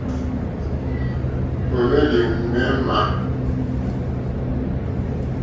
Ó hwélì̀ ŋměmà.